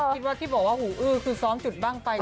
คิดว่าที่บอกว่าหูอื้อคือซ้อมจุดบ้างไป